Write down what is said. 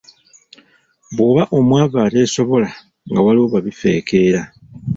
"Bw’oba omwavu ateesobola, nga waliwo ba bifeekeera."